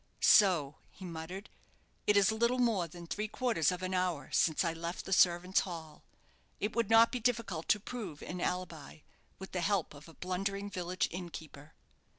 "So," he muttered, "it is little more than three quarters of an hour since I left the servants' hall. It would not be difficult to prove an alibi, with the help of a blundering village innkeeper."